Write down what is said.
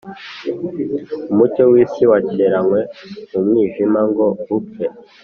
umucyo w'isi watereranywe mu mwijima ngo upfe